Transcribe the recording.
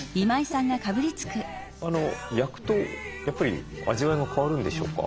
焼くとやっぱり味わいが変わるんでしょうか？